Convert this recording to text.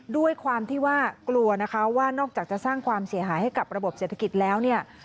ด้วยความที่ว่ากลัวนะคะว่านอกจากจะสร้างความเสียหายให้กับระบบเศรษฐกิจแล้วเนี่ย